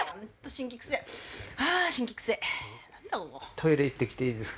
トイレ行ってきていいですか？